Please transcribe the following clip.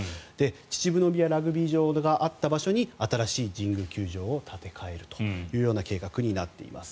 秩父宮ラグビー場があった場所に新しい神宮球場を建て替えるという計画になっています。